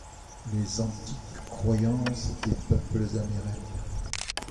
Les antiques croyances des peuples amérindiens.